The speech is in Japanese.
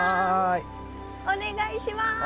お願いします。